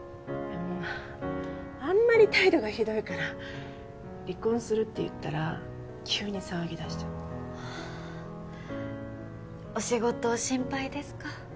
もうあんまり態度がひどいから離婚するって言ったら急に騒ぎだしちゃってお仕事心配ですか？